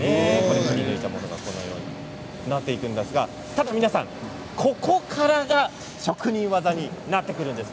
くりぬいたものがこのようになっていくわけですがただ皆さんここからが職人技になってくるんです。